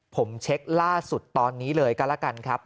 ผมเช็คล่าสุดตอนนี้เลยก็แล้วกันครับ